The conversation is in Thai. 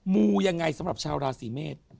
มูยังไงสำหรับชาวราศีเมษ